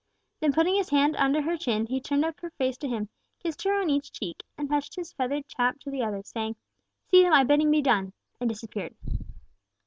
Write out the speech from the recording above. Then putting his hand under her chin, he turned up her face to him, kissed her on each cheek, and touched his feathered cap to the others, saying, "See that my bidding be done," and disappeared.